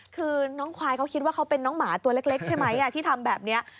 คือน้องควายเขาคิดว่าเขาเป็นน้องหมาตัวเล็กใช่ไหมที่ทำแบบนี้